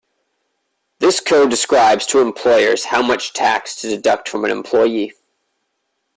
This code describes to employers how much tax to deduct from an employee.